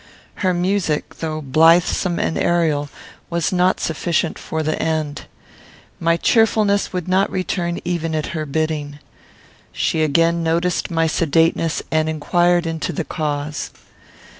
Her music, though blithsome and aerial, was not sufficient for the end. My cheerfulness would not return even at her bidding. She again noticed my sedateness, and inquired into the cause.